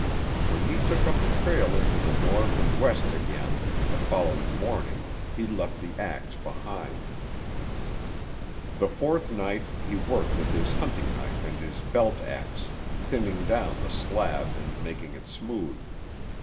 When he took up the trail into the north and west again the following morning he left the ax behind. The fourth night he worked with his hunting knife and his belt ax, thinning down the slab and making it smooth.